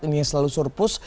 ini yang selalu surplus